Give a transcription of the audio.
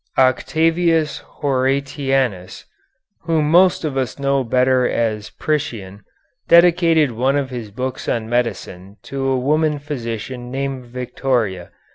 Octavius Horatianus, whom most of us know better as Priscian, dedicated one of his books on medicine to a woman physician named Victoria.